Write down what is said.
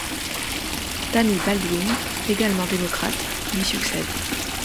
Tammy Baldwin, également démocrate, lui succède.